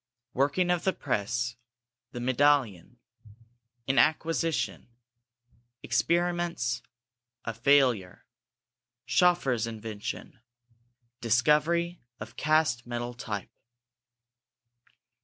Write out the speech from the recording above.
Working of the Press. The Medallion. An Acquisition. Experiments. A Failure. Schoeffer's Invention. Discovery of Cast Metal Type.